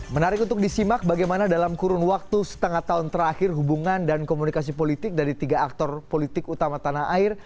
menarik untuk disimak bagaimana dalam kurun waktu setengah tahun terakhir hubungan dan komunikasi politik dari tiga aktor politik utama tanah air